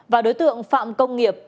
và đối tượng phạm công nghiệp